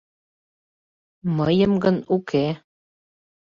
— Мыйым гын — уке.